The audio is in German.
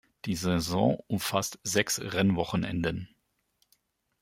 Die Saison umfasste sechs Rennwochenenden.